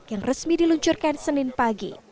yang resmi diluncurkan senin pagi